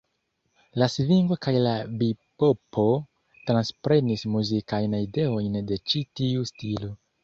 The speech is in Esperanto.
La svingo kaj la bibopo transprenis muzikajn ideojn de ĉi tiu stilo.